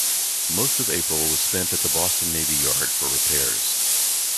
Most of April was spent at the Boston Navy Yard for repairs.